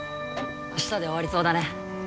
明日で終わりそうだね